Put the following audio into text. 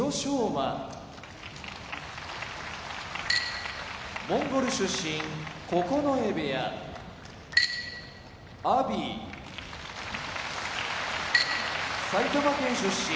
馬モンゴル出身九重部屋阿炎埼玉県出身